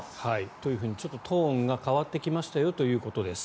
というふうにちょっとトーンが変わってきましたよということです。